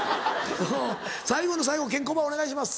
最後の最後ケンコバお願いします。